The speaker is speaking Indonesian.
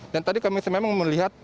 dan tadi kami memang melihat